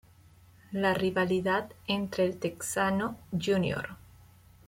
La rivalidad entre El Texano Jr.